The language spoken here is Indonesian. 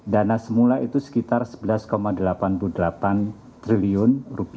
dana semula itu sekitar rp sebelas delapan puluh delapan triliun